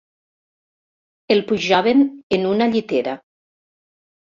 El pujaven en una llitera.